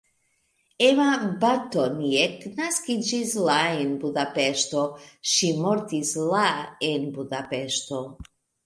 Emma Bartoniek naskiĝis la en Budapeŝto, ŝi mortis la en Budapeŝto.